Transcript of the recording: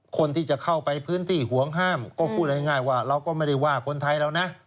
คนที่จะเข้าไปพื้นที่ห่วงห้ามก็พูดง่ายว่าเราก็ไม่ได้ว่าคนไทยเรานะ